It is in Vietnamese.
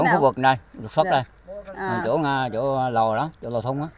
ở phương trình này ở phương trình này chỗ lò đó chỗ lò thông đó